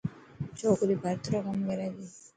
ڇوڪري ڀرت رو ڪم ڪري تي.